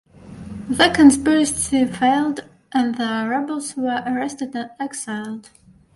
The conspiracy failed and the rebels were arrested and exiled.